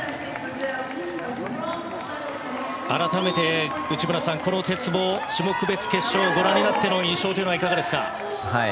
改めて、内村さん鉄棒の種目別決勝をご覧になっての印象はいかがですか？